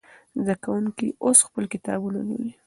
زده کوونکي اوس خپل کتابونه لولي.